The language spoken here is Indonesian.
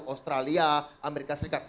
australia amerika serikat